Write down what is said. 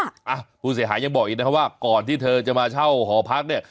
อ่ะผู้เสียหายยังบอกอีกนะครับว่าก่อนที่เธอจะมาเช่าหอพักเนี่ย